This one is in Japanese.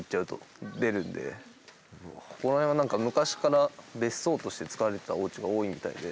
ここら辺は何か昔から別荘として使われてたおうちが多いみたいで。